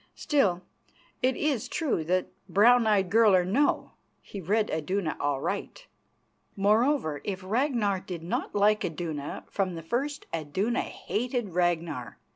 Still, it is true that, brown eyed girl or no, he read Iduna aright. Moreover, if Ragnar did not like Iduna, from the first Iduna hated Ragnar.